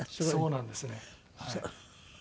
そうなんですよねはい。